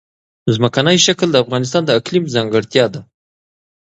ځمکنی شکل د افغانستان د اقلیم ځانګړتیا ده.